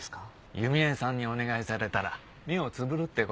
弓江さんにお願いされたら目をつぶるって事。